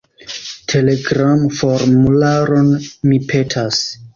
Telegram-formularon, mi petas.